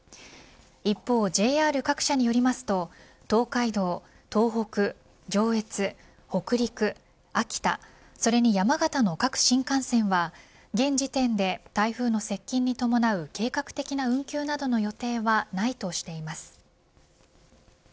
一方、ＪＲ各社によりますと東海道、東北上越、北陸秋田、それに山形の各新幹線は現時点で台風の接近に伴う計画的な運休などの予定はないとしています。